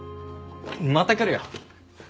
また来るよ。